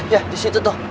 ya di situ tuh